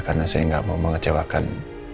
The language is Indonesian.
karena saya gak mau mengecewakan